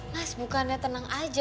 mas bukannya tenang aja